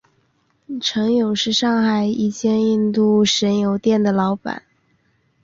程勇是上海一间印度神油店的老板。